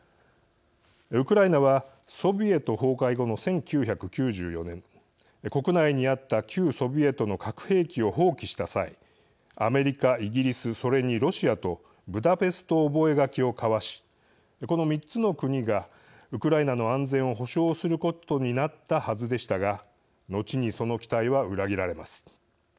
ウクライナはソビエト崩壊後の１９９４年国内にあった旧ソビエトの核兵器を放棄した際アメリカ、イギリスそれにロシアとブダペスト覚書を交わしこの３つの国がウクライナの安全を保障することになったはずでしたが後にその期待は裏切られます。